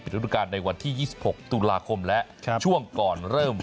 ฤดูการในวันที่๒๖ตุลาคมและช่วงก่อนเริ่ม